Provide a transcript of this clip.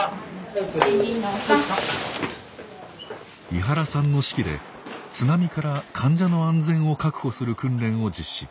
１２の３！井原さんの指揮で津波から患者の安全を確保する訓練を実施。